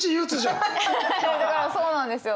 アハハだからそうなんですよ。